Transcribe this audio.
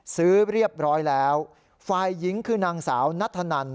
ซื้อเรียบร้อยแล้วฝ่ายหญิงคือนางสาวนัทธนัน